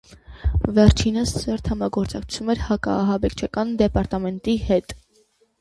Վերջինս սերտ համագործակցում էր հակաահաբեկչական դեպարտամենտի հետ։